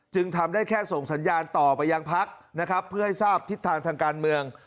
ทำได้แค่ส่งสัญญาณต่อไปยังพักนะครับเพื่อให้ทราบทิศทางทางการเมือง